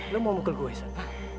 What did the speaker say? lu mau mukul gue san